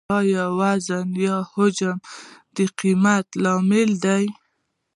آیا وزن یا حجم د قیمتۍ لامل دی؟